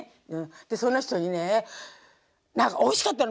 でその人にね何かおいしかったの。